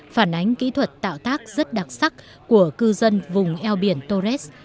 phản ánh kỹ thuật tạo tác rất đặc sắc của cư dân vùng eo biển torres